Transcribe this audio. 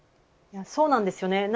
そうなんですね。